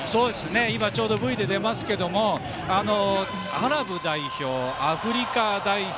今、ちょうどＶで出ましたがアラブ代表、アフリカ代表。